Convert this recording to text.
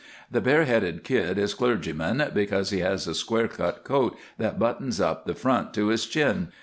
The 'Bare headed' Kid is clergyman because he has a square cut coat that buttons up the front to his chin.